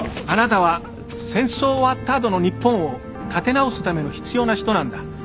あなたは戦争終わった後の日本を立て直すための必要な人なんだ。